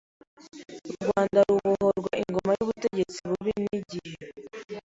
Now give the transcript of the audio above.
u Rwanda rubohorwa ingoma y’ubutegetsi bubi. N’igihe